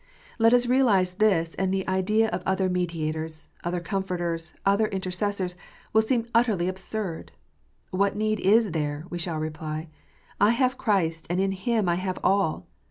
Let us realize this, and the idea of other mediators, other comforters, other inter cessors, will seem utterly absurd. " What need is there ?" we shall reply :" I have Christ, and in Him I have all.